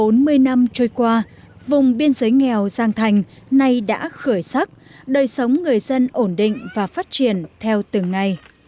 hơn bốn mươi năm trôi qua vùng biên giới nghèo giang thành nay đã khởi sắc đời sống người dân ổn định và phát triển theo từng ngày